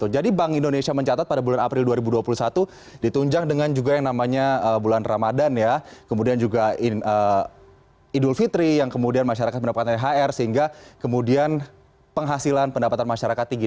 jadi bank indonesia mencatat pada bulan april dua ribu dua puluh satu ditunjang dengan juga yang namanya bulan ramadan ya kemudian juga idul fitri yang kemudian masyarakat mendapatkan hr sehingga kemudian penghasilan pendapatan masyarakat tinggi